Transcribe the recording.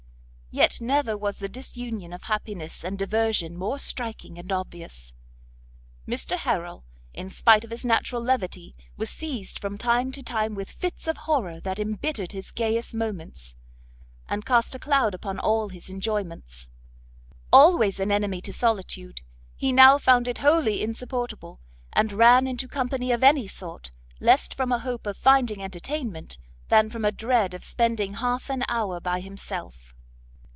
Yet never was the disunion of happiness and diversion more striking and obvious; Mr Harrel, in spite of his natural levity, was seized from time to time with fits of horror that embittered his gayest moments, and cast a cloud upon all his enjoyments. Always an enemy to solitude, he now found it wholly insupportable, and ran into company of any sort, less from a hope of finding entertainment, than from a dread of spending half an hour by himself.